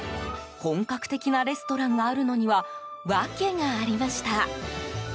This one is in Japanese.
本格的なレストランがあるのには訳がありました。